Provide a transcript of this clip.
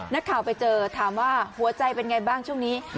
นักข่าวไปเจอถามว่าหัวใจเป็นไงบ้างช่วงนี้